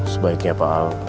sebaiknya pak al